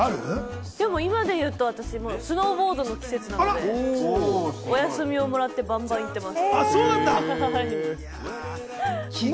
今で言うとスノーボードの季節なので、お休みをもらってバンバン行っています。